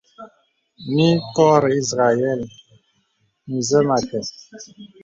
Mì kɔrə̄ ìzrəɛl zə məkə.